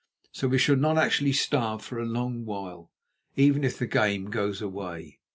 So we shall not actually starve for a long while, even if the game goes away.